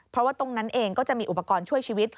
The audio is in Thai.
เพราะว่าตรงนั้นเองก็จะมีอุปกรณ์ช่วยชีวิต